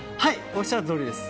おっしゃるとおりです。